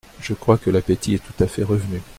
Je crois que l'appétit est tout à fait revenu.